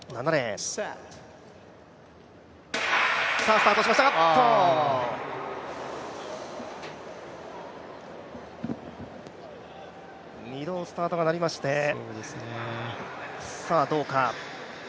スタートしましたが、あっと２度、スタートがなりまして、さぁ、どうか。